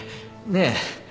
ねえ？